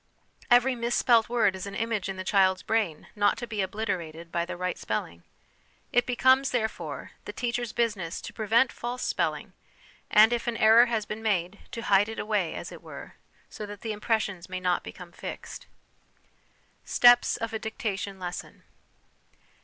Every misspelt word is an image in the child's brain not to .be obliterated by the right spelling. It becomes, therefore, the teacher's business to prevent false spelling, and, if an error has been made, to hide it away, as it were, so that the impres sion may not become fixed. Steps of a Dictation Lesson.